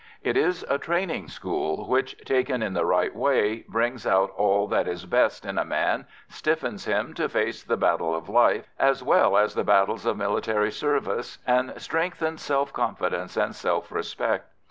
It is a training school which, taken in the right way, brings out all that is best in a man, stiffens him to face the battle of life as well as the battles of military service, and strengthens self confidence and self respect.